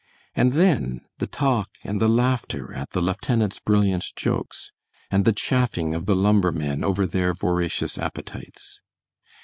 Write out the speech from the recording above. And then, the talk and the laughter at the lieutenant's brilliant jokes, and the chaffing of the "lumbermen" over their voracious appetites!